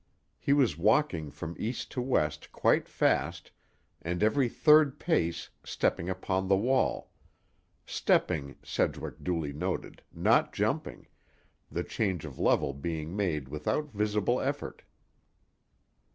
He was walking from east to west quite fast, and every third pace stepping upon the wall; stepping, Sedgwick duly noted, not jumping, the change of level being made without visible effort.